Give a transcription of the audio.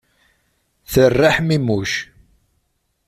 Terra ḥmimuc.